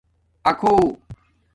اکھُݸ